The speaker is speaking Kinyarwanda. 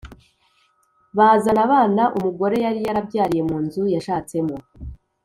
Bazana abana umugore yari yarabyariye mu nzu yashatsemo